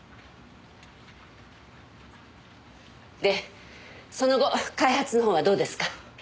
でその後開発のほうはどうですか？